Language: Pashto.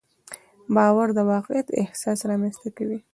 باور د واقعیت احساس رامنځته کوي.